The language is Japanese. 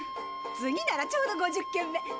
次ならちょうど５０件目。